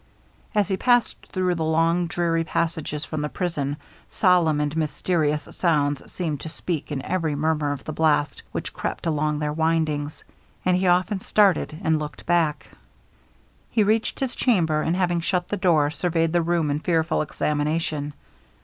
As he passed through the long dreary passages from the prison, solemn and mysterious sounds seemed to speak in every murmur of the blast which crept along their windings, and he often started and looked back. He reached his chamber, and having shut the door, surveyed the room in fearful examination.